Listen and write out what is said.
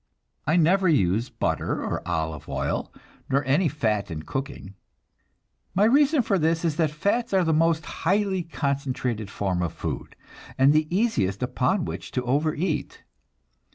I never use butter or olive oil, nor any fat in cooking. My reason for this is that fats are the most highly concentrated form of food, and the easiest upon which to overeat.